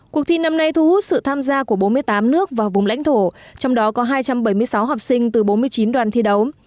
cuộc thi năm nay thu hút sự tham gia của bốn mươi tám nước và vùng lãnh thổ trong đó có hai trăm bảy mươi sáu học sinh từ bốn mươi chín đoàn thi đấu